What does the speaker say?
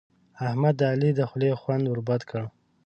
احمد د علي د خولې خوند ور بد کړ.